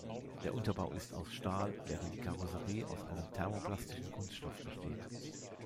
Der Unterbau ist aus Stahl, während die Karosserie aus einem thermoplastischen Kunststoff besteht.